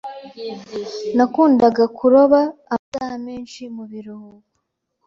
Nakundaga kuroba amasaha menshi mubiruhuko.